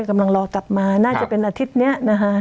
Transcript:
กำลังรอกลับมาน่าจะเป็นอาทิตย์นี้นะคะ